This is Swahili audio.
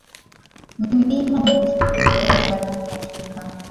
mlima mrefu kuliko yote barani Afrika